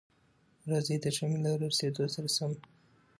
راځئ، د ژمي له را رسېدو سره سم،